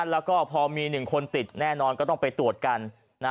แล้วก็พอมี๑คนติดแน่นอนก็ต้องไปตรวจกัน